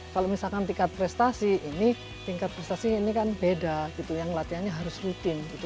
kalau misalkan tingkat prestasi ini tingkat prestasi ini kan beda gitu yang latihannya harus rutin gitu